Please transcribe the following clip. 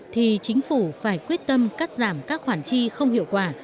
thì chính phủ phải quyết tâm cắt giảm các khoản chi không hiệu quả